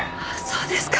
そうですか。